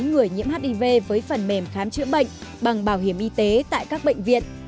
người nhiễm hiv với phần mềm khám chữa bệnh bằng bảo hiểm y tế tại các bệnh viện